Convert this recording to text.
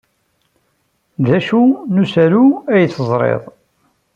D acu n usaru ay teẓriḍ?